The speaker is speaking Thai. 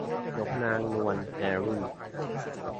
นกนางนวลแฮร์ริ่ง